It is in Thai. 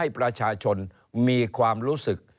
ประชาชนมีความรู้สึก